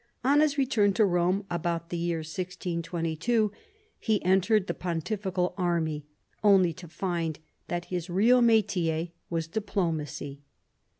On his return to Rome about the year 1622, he entered the pontifical army, only to find that his real mitier was diplomacy.